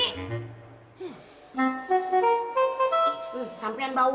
ih sampingan bau